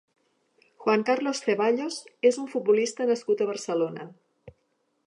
Juan Carlos Ceballos és un futbolista nascut a Barcelona.